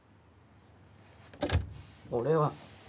俺は。